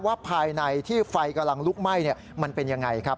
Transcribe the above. ว่าภายในที่ไฟกำลังลุกไหม้มันเป็นยังไงครับ